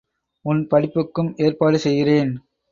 உன் படிப்புக்கும் ஏற்பாடு செய்கிறேன்.